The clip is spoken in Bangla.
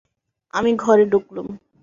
আমি ঘরে ঢুকলুম।